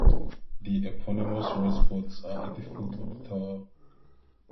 The eponymous red spots are at the foot of the tower.